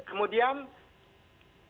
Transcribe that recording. kemudian wawancara penting sekali oleh dokter